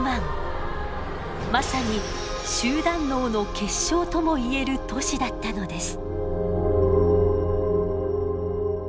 まさに集団脳の結晶とも言える都市だったのです。